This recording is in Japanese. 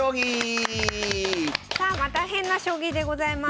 さあまた変な将棋でございます。